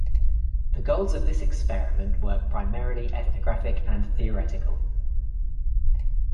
The goals of this experiment were primarily ethnographic and theoretical.